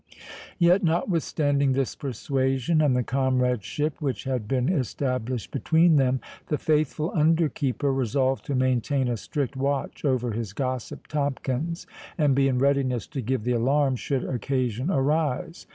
Yet, notwithstanding this persuasion, and the comradeship which had been established between them, the faithful under keeper resolved to maintain a strict watch over his gossip Tomkins, and be in readiness to give the alarm should occasion arise.